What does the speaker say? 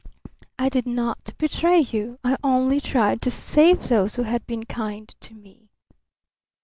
"I did not betray you. I only tried to save those who had been kind to me."